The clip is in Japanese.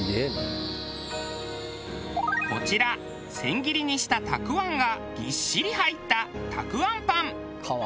こちら千切りにしたたくあんがぎっしり入ったうん。